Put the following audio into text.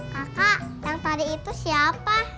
kakak yang tadi itu siapa